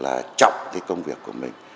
và cái điều đó là trọng cái công việc của mình